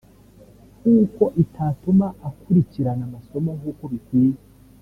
kuko itatuma akurikirana amasomo nkuko bikwiye